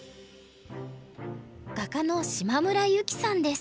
画家の島村由希さんです。